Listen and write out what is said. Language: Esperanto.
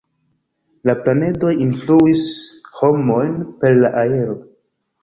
La planedoj influis homojn per la aero.